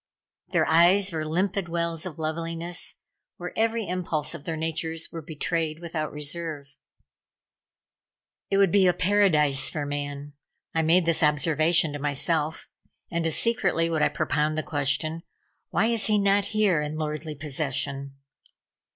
Their eyes were limpid wells of loveliness, where every impulse of their natures were betrayed without reserve. "It would be a paradise for man." I made this observation to myself, and as secretly would I propound the question: "Why is he not here in lordly possession?"